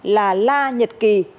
là la nhật kỳ